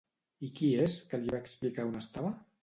I qui és que li va explicar on estava?